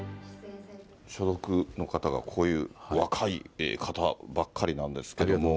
所属の方が、こういう若い方ばっかりなんですけども。